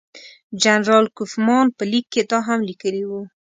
جنرال کوفمان په لیک کې دا هم لیکلي وو.